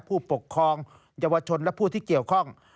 ผู้ปกครองเยาวชนและผู้ที่เกี่ยวข้อง